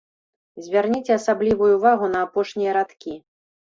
Звярніце асаблівую ўвагу на апошнія радкі.